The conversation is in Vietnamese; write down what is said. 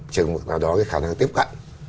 trường hợp nào đó cái khả năng tiếp cận